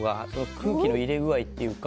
空気の入れ具合っていうか。